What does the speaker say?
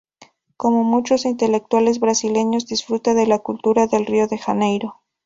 Como muchos intelectuales brasileños, disfruta de la cultura de Río de Janeiro.